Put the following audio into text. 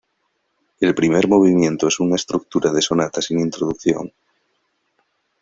El primer movimiento es una estructura de sonata sin introducción.